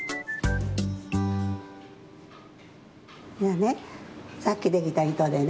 じゃあねさっきできたいとでね